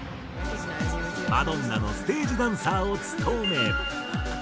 マドンナのステージダンサーを務め。